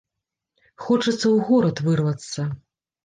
Хочацца ў горад вырвацца.